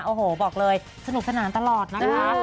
โอ้โหบอกเลยสนุกขนาดนั้นตลอดนะครับ